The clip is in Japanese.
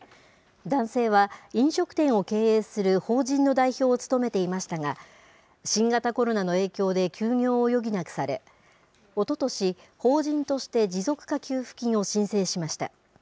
男性は、飲食店を経営する法人の代表を務めていましたが、新型コロナの影響で休業を余儀なくされ、おととし、法人として持続化給付金を申請しました。